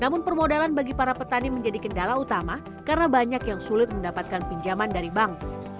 namun permodalan bagi para petani menjadi kendala utama karena banyak yang sulit mendapatkan pinjaman dari bank